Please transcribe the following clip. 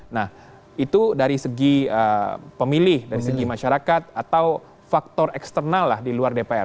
nah itu dari segi pemilih dari segi masyarakat atau faktor eksternal lah di luar dpr